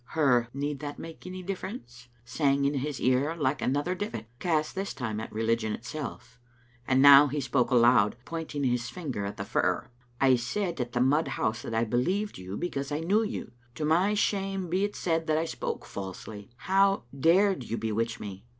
Her" Need that make any difference?" sang in his ear like another divit, cast this time at religion itself, and now he spoke aloud, pointing his finger at a fir : "I gaid at the mud house that I believed you because I knew you. To my shame be it said that I spoke falsely. How dared you bewitch me?